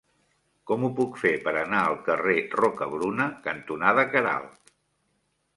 Com ho puc fer per anar al carrer Rocabruna cantonada Queralt?